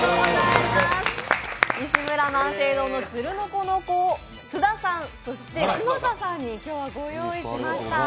石村萬盛堂のつるのこのこを津田さん、嶋佐さんに今日はご用意しました。